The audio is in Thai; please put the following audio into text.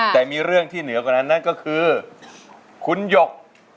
แต่มีเรื่องที่เหนือกว่านั้นนั่นก็คือคุณหยก